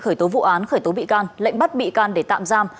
khởi tố vụ án khởi tố bị can lệnh bắt bị can để tạm giam